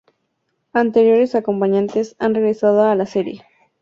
Anteriores acompañantes han regresado a la serie, normalmente para especiales de aniversario.